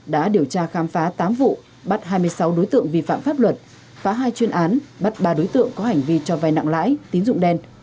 đã điều tra khám phá tám vụ bắt hai mươi sáu đối tượng vi phạm pháp luật phá hai chuyên án bắt ba đối tượng có hành vi cho vai nặng lãi tín dụng đen